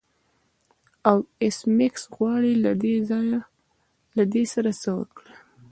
او ایس میکس غواړي له دې سره څه وکړي